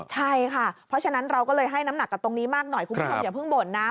ใช่ค่ะเพราะฉะนั้นเราก็เลยให้น้ำหนักกับตรงนี้มากหน่อยคุณผู้ชมอย่าเพิ่งบ่นนะ